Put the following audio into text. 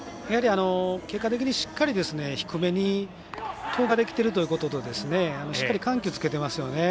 結果的にしっかり低めに投球ができてるということとしっかり緩急つけてますよね。